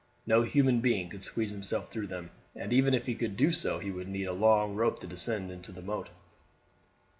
No human being could squeeze himself through them, and even if he could do so he would need a long rope to descend into the moat.